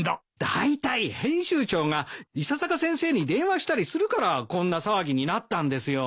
だいたい編集長が伊佐坂先生に電話したりするからこんな騒ぎになったんですよ。